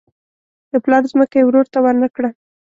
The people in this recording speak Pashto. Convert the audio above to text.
د پلار ځمکه یې ورور ته ورنه کړه.